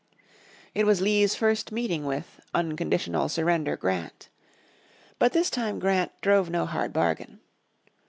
It was Lee's first meeting with "Unconditional Surrender" Grant. But this time Grant drove no hard bargain.